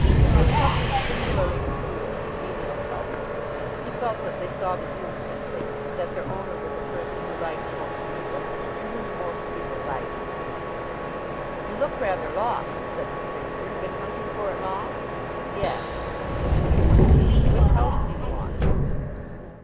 There was something singularly cool and genial about them. He felt that they saw the humour in things, and that their owner was a person who liked most people and whom most people liked. "You look rather lost," said the stranger. "Been hunting for it long?" "Yes," said Mike. "Which house do you want?"